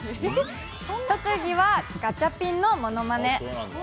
特技はガチャピンのものまね。